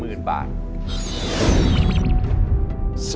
ไม่ใช้ค่ะ